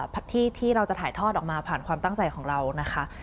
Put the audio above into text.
ที่เราจะถ่ายทอดออกมาผ่านความตั้งใจของเรานะคะ